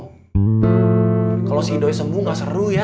kalau kalau si doy sembuh nggak seru ya